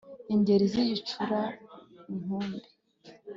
Ingeri zigicura inkumbi